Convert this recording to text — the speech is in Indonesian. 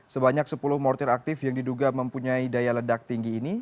sebanyak sepuluh mortir aktif yang diduga mempunyai daya ledak tinggi ini